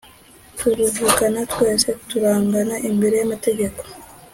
Tubuvukana twese turangana imbere y’amategeko